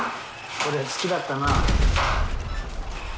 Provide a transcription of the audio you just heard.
これ好きだったな。